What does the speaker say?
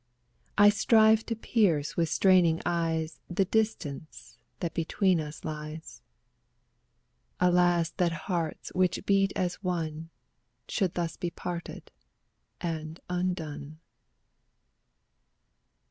I strive to pierce with straining eyes The distance that between us lies. Alas that hearts which beat as one Should thus be parted and undone!